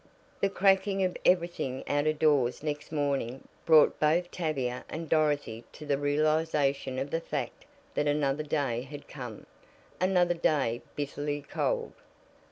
The cracking of everything out of doors next morning brought both Tavia and Dorothy to the realization of the fact that another day had come another day bitterly cold.